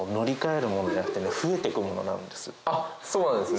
あっそうなんですね。